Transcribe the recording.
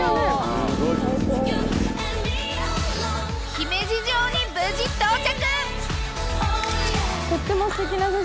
姫路城に無事到着！